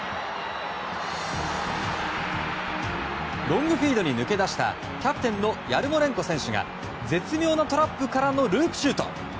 ロングフィードに抜け出したキャプテンのヤルモレンコ選手が絶妙なトラップからのループシュート！